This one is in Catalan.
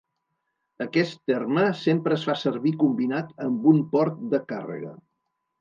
Aquest terme sempre es fa servir combinat amb un port de càrrega.